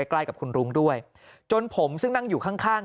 ใกล้กับคุณรุ้งด้วยจนผมซึ่งนั่งอยู่ข้างข้าง